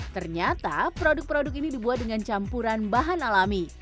ternyata produk produk ini dibuat dengan campuran bahan alami